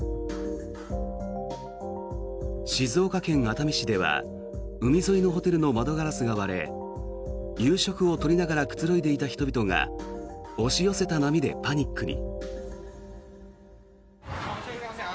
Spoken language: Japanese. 静岡県熱海市では海沿いのホテルの窓ガラスが割れ夕食を取りながらくつろいでいた人々が押し寄せた波でパニックに。